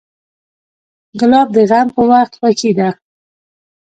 ګلاب د غم په وخت خوښي ده.